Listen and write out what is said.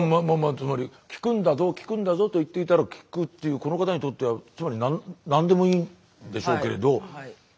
つまり「効くんだぞ効くんだぞ」と言っていたら効くっていうこの方にとってはつまり何でもいいんでしょうけれど。